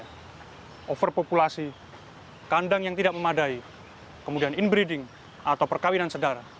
kandang yang tidak memadai overpopulasi kandang yang tidak memadai kemudian inbreeding atau perkawinan sedara